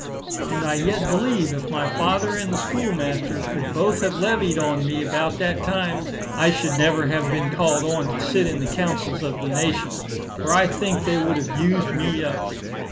And I yet believe, if my father and the schoolmaster could both have levied on me about that time, I should never have been called on to sit in the councils of the nation, for I think they would have used me up.